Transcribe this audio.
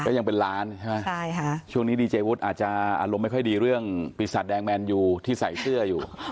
ยังเป็นล้านใช่ไหมช่วงนี้ดีเจวุฒิอาจจะอารมณ์ไม่ค่อยดีเรื่องปีศาจแดงแมนยูที่ใส่เสื้ออยู่